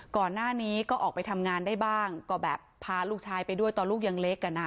ก่อนหน้านี้ก็ออกไปทำงานได้บ้างก็แบบพาลูกชายไปด้วยตอนลูกยังเล็กอ่ะนะ